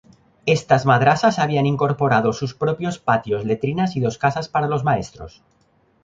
Estas madrasas habían incorporado sus propios patios, letrinas y dos casas para los maestros.